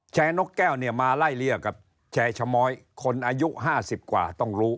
นกแก้วเนี่ยมาไล่เลี่ยกับแชร์ชะม้อยคนอายุ๕๐กว่าต้องรู้